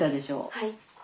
はい。